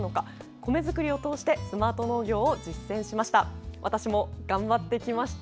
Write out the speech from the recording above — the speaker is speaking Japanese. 米作りを通してスマート農業を実践しました。